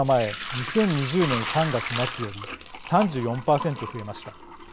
２０２０年３月末より３４％増えました。